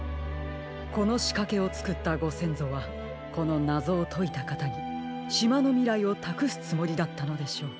このしかけをつくったごせんぞはこのなぞをといたかたにしまのみらいをたくすつもりだったのでしょう。